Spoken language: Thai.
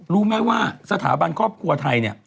รู้ไหมว่าสถาบันครอบครัวไทยเนี่ย